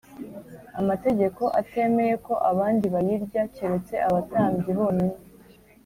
amategeko atemeye ko abandi bayirya, keretse abatambyi bonyine?”